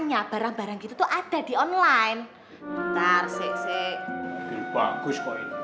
hanya barang barang gitu ada di online ntar sih bagus